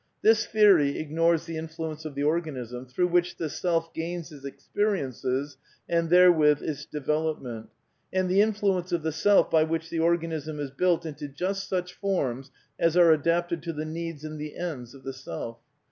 This theory ignores the influence of the organism, through which the self gains its experiences and therewith its de velopment, and the influence of the self by which the organism is built into just such forms as are adapted to the needs and the ends of the self.